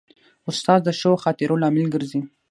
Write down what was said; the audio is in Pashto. استاد د ښو خاطرو لامل ګرځي.